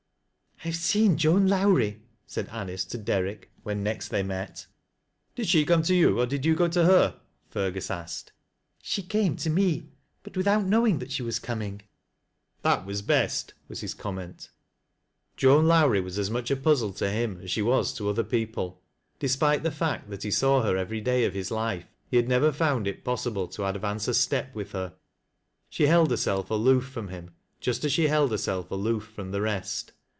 " I have seen Joan Lowrie," said Anice to Derrick, ■" when next they met. " Did she come to you, or did you go to her ?" Fergu? asked. " She came to me, but without knowing that she waa coming." " That was best," was his comment. Joan Lowrie was as much a puzzle to him as she was to other people. Despite the fact that he saw her every day of liis life, he had never found it possible to advance a step with her. She held herself aloof from him, just ae lihe held herself aloof from the rest.